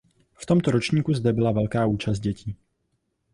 V tomto ročníku zde byla velká účast dětí.